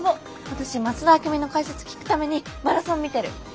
私増田明美の解説聞くためにマラソン見てる。